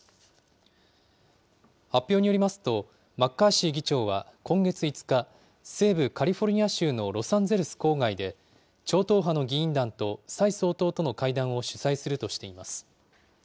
発表によりますと、マッカーシー議長は今月５日、西部カリフォルニア州のロサンゼルス郊外で、超党派の議員団と蔡総統との会談を主催するとしています。